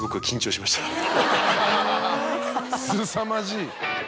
すさまじい。